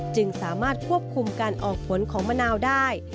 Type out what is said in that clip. จึงสามารถควบคุมการออกผลของมะนาวได้